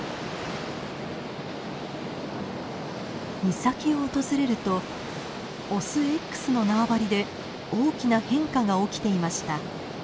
岬を訪れるとオスＸの縄張りで大きな変化が起きていました。